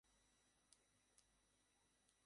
এত সহজেই কাউকে, নিজের প্রিয় বানানো সম্ভব নয়।